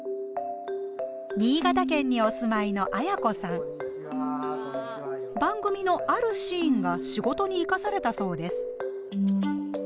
新潟県にお住まいの番組のあるシーンが仕事にいかされたそうです。